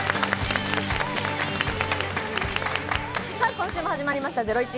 今週も始まりました『ゼロイチ』。